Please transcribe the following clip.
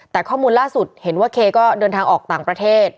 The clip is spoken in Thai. แต่ข้อมูลล่าสุดเห็นว่าเคก็เดินทางออกต่างประเทศ